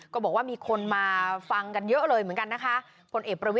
ก็บอกว่ามีคนมาฟังกันเยอะเลยเหมือนกันนะคะ